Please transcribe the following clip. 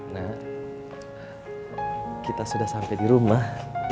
nah kita sudah sampai di rumah